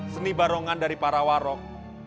seni barongan dari para warok